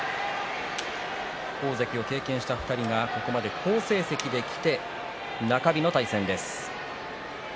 大関を経験した２人がここまで好成績できて中日の対戦です。